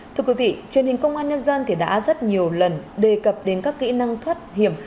thưa quý vị truyền hình công an nhân dân đã rất nhiều lần đề cập đến các kỹ năng thoát hiểm